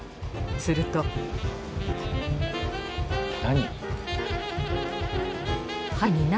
すると何？